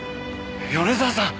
米沢さん！